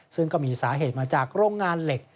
ซึ่งก็มีสาเหตุมาจากโรงงานเหล็ก